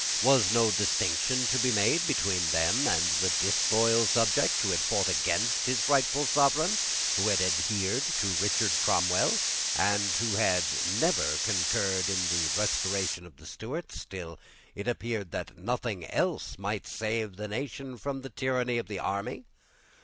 Was no distinction to be made between them and the disloyal subject who had fought against his rightful sovereign, who had adhered to Richard Cromwell, and who had never concurred in the restoration of the Stuarts, till it appeared that nothing else could save the nation from the tyranny of the army?